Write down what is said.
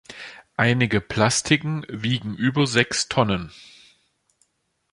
Einige Plastiken wiegen über sechs Tonnen.